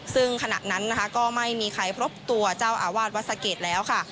ซึ่งขณะนั้นนะคะก็ไม่มีใครพบตัวเจ้าอาวาสวัดสะเกดแล้วค่ะ